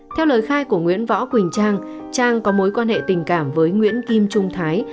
theo lời khai của nguyễn võ quỳnh trang trang có mối quan hệ tình cảm với nguyễn kim trung thái